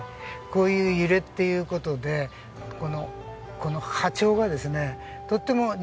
こういう揺れっていう事でこの波長がですねとっても似ているんですね。